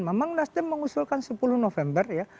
memang nasdem mengusulkan sepuluh november ya